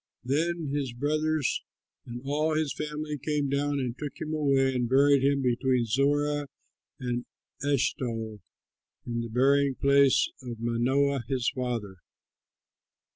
Then his brothers and all his family came down and took him away and buried him between Zorah and Eshtaol in the burying place of Manoah his father.